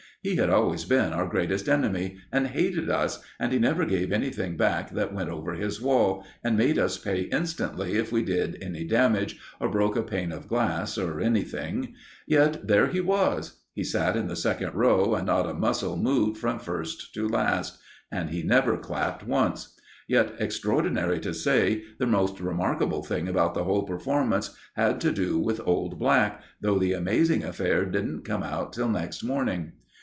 He had always been our greatest enemy, and hated us, and he never gave anything back that went over his wall, and made us pay instantly if we did any damage, or broke a pane of glass, or anything; yet there he was. He sat in the second row, and not a muscle moved from first to last, and he never clapped once. Yet, extraordinary to say, the most remarkable thing about the whole performance had to do with old Black, though the amazing affair didn't come out till next morning.